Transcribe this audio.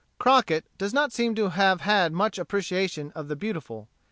Crockett does not seem to have had much appreciation of the beautiful.